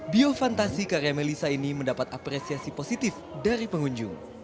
bio fantasi karya melisa ini mendapat apresiasi positif dari pengunjung